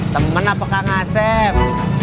teman apa kang asem